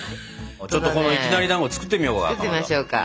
ちょっとこのいきなりだんご作ってみようかかまど。